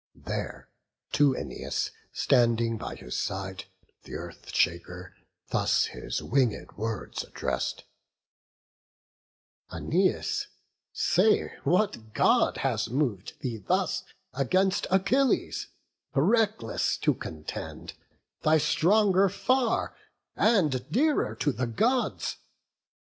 There to Æneas, standing by his side, Th' Earth shaker thus his winged words address'd: "Æneas, say what God has mov'd thee thus Against Achilles, reckless, to contend, Thy stronger far, and dearer to the Gods?